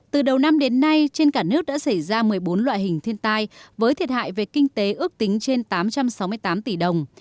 từ đầu năm đến nay trên cả nước đã xảy ra một mươi bốn loại hình thiên tai với thiệt hại về kinh tế ước tính trên tám trăm sáu mươi tám tỷ đồng